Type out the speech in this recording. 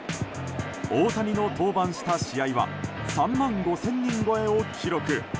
大谷の登板した試合は３万５０００人超えを記録。